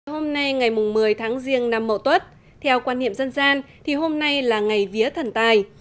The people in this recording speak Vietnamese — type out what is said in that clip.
hôm nay ngày một mươi tháng riêng năm mậu tuất theo quan niệm dân gian thì hôm nay là ngày vía thần tài